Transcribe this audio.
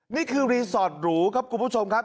นี่คือรีสอร์ทหรูครับคุณผู้ชมครับ